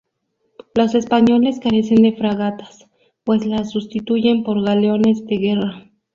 Los españoles carecen de fragatas, pues las sustituyen por galeones de guerra.